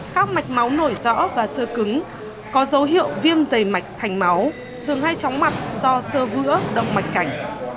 các mạch máu nổi rõ và sơ cứng có dấu hiệu viêm dày mạch thành máu thường hay tróng mặt do sơ vữa đông mạch chảnh